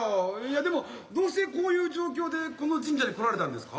でもどうしてこういう状況でこの神社に来られたんですか？